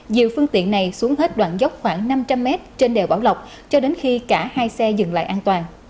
dìu phương tiện này xuống hết đoạn dốc khoảng năm trăm linh m trên đèo bão lọc cho đến khi cả hai xe dừng lại an toàn